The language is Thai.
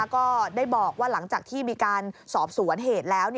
ก็ได้บอกว่าหลังจากที่มีการสอบสวนเหตุแล้ว